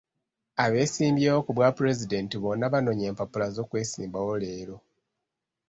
Abeesimbyewo ku bwa pulezidenti bonna banonye empapula z'okwesimbawo leero.